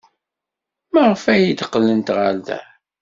Maɣef ay d-qqlent ɣer da?